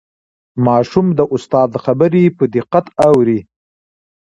ماشوم د استاد خبرې په دقت اوري